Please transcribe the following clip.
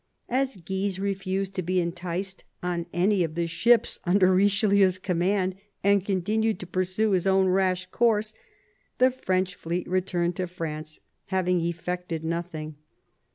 As Guise refused to be enticed on any of the ships under Richelieu's command, and continued to pursue his own rash course, the French fleet returned to France, having effected nothing.